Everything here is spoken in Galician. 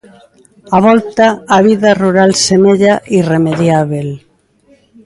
A volta á vida rural semella irremediábel.